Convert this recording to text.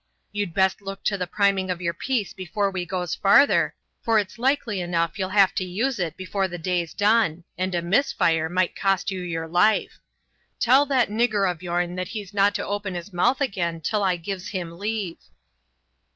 You'd best look to the priming of yer piece before we goes further, for it's likely enough you'll have to use it before the day's done, and a miss fire might cost you yer life. Tell that nigger of yourn that he's not to open his mouth again till I gives him leave."